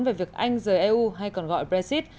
về việc anh rời eu hay còn gọi brexit